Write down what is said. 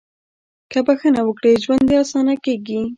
• که بښنه وکړې، ژوند دې اسانه کېږي.